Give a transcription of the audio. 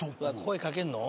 声かけんの？